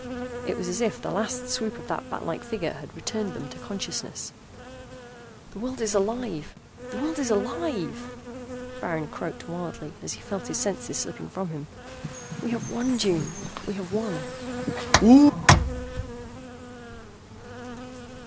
It was as if the last swoop of that batlike figure had returned them to consciousness. "The world is alive! The world is alive!" Baron croaked wildly as he felt his senses slipping from him. "We have won, June! We have won!"